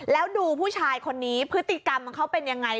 แล้วดูผู้ชายคนนี้พฤติกรรมของเขาเป็นยังไง